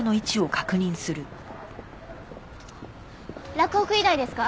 洛北医大ですか？